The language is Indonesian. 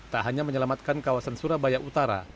tak hanya menyelamatkan kawasan surabaya utara